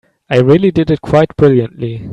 I really did it quite brilliantly.